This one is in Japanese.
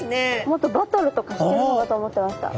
もっとバトルとかしてるのかと思ってました。